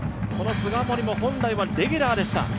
この菅森も本来はレギュラーでした。